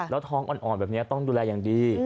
แล้วท้องอ่อนแบบนี้ต้องดูแลอย่างดี